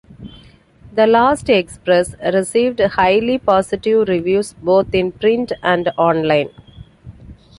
"The Last Express" received highly positive reviews both in print and online.